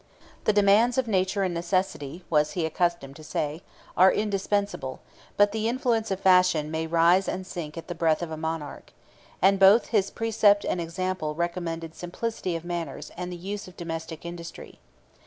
"The demands of nature and necessity," was he accustomed to say, "are indispensable; but the influence of fashion may rise and sink at the breath of a monarch;" and both his precept and example recommended simplicity of manners and the use of domestic industry.